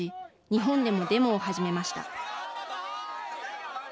日本でもデモを始めました。